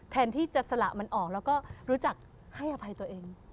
แทนที่จะสละมันออกแล้วก็รู้จักให้อภัยตัวเอง